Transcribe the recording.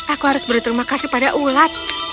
aku harus berterima kasih pada ulat